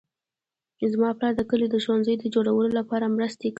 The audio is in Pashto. زما پلار د کلي د ښوونځي د جوړولو لپاره مرسته کوي